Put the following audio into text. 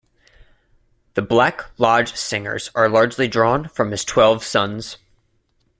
The Black Lodge Singers are largely drawn from his twelve sons.